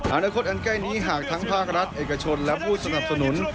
อนาคตอันใกล้นี้หากทั้งภาครัฐเอกชนและผู้สนับสนุน